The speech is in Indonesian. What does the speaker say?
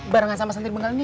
barengan sama santri bengal nih